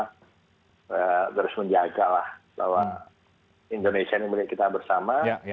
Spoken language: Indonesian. kita harus menjagalah bahwa indonesia ini milik kita bersama